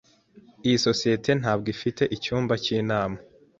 Iyi sosiyete ntabwo ifite icyumba cyinama.